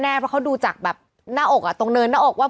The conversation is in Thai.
เพราะเขาดูจากแบบหน้าอกอ่ะตรงเนินหน้าอกว่า